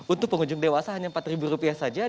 untuk pengunjung dewasa hanya rp empat saja